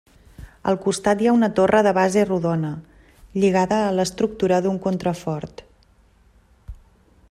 Al costat hi ha una torre de base rodona lligada a l'estructura d'un contrafort.